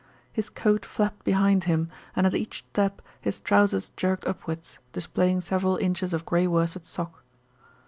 His coat flapped behind him, and at each step his trousers jerked upwards, displaying several inches of grey worsted sock.